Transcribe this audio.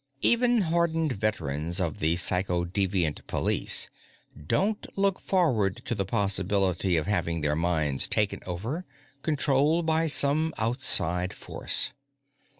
Even hardened veterans of the Psychodeviant Police don't look forward to the possibility of having their minds taken over, controlled by some outside force.